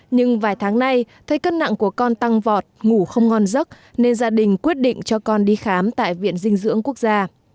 nhưng vài tháng nay thấy cân nặng của con tăng vọt ngủ không ngon giấc nên gia đình quyết định cho con đi khám tại viện dinh dưỡng quốc gia